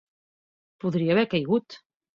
Podria haver caigut.